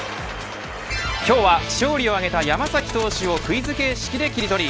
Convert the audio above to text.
今日は勝利を挙げた山崎投手をクイズ形式でキリトリ。